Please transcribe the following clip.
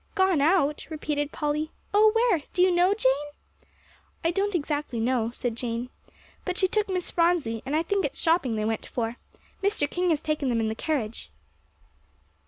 "Gone out!" repeated Polly, "Oh, where? Do you know, Jane?" "I don't exactly know," said Jane, "but she took Miss Phronsie; and I think it's shopping they went for. Mr. King has taken them in the carriage."